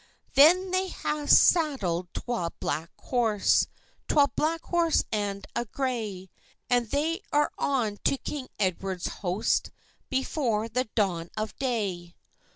Then they ha'e saddled twa black horse, Twa black horse and a gray; And they are on to king Edward's host, Before the dawn of day.